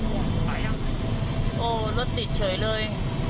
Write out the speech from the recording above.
โอ้โหรถติดเฉยเลย